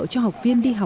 cho học viên điện thoại